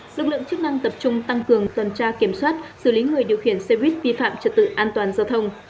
lực lượng chức năng tập trung tăng cường tuần tra kiểm soát xử lý người điều khiển xe buýt vi phạm trật tự an toàn giao thông